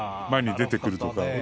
前に出てくるとか。